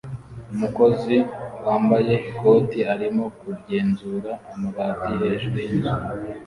Umukozi wambaye ikoti arimo kugenzura amabati hejuru yinzu